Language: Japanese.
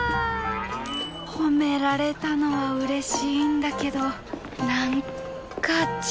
褒められたのはうれしいんだけど何か違う。